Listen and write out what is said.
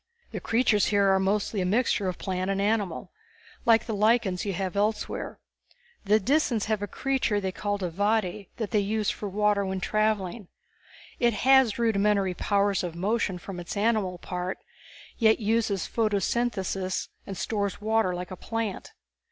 The creatures here are mostly a mixture of plant and animal, like the lichens you have elsewhere. The Disans have a creature they call a "vaede" that they use for water when traveling. It has rudimentary powers of motion from its animal part, yet uses photosynthesis and stores water like a plant.